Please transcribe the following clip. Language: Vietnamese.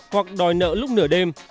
hoặc đòi nợ lúc nửa đêm